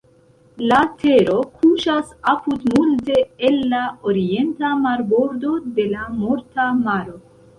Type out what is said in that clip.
La tero kuŝas apud multe el la orienta marbordo de la Morta Maro.